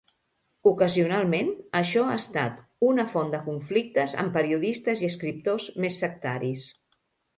Ocasionalment, això ha estat una font de conflictes amb periodistes i escriptors més sectaris.